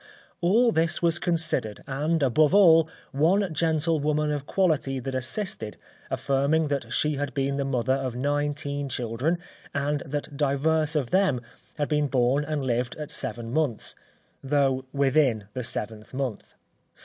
All this was considered, and above all, one gentlewoman of quality that assisted, affirming that she had been the mother of nineteen children, and that divers of them had been born and lived at seven months, though within the seventh month.